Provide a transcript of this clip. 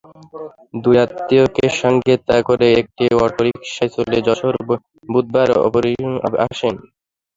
দুই আত্মীয়কে সঙ্গে করে একটি অটোরিকশায় চড়ে যশোদাবেন বুধবার আরপিওতে আসেন।